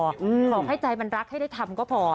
ขอให้ใจมันรักให้ได้ทำก็พอ